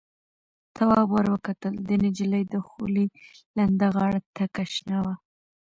تواب ور وکتل، د نجلۍ دخولې لنده غاړه تکه شنه وه.